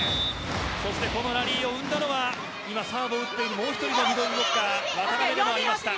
そしてこのラリーを生んだのはサーブを打ったもう１人のミドルブロッカー渡邊でもありました。